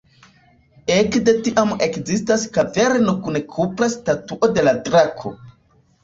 Ekde tiam ekzistas kaverno kun kupra statuo de la drako.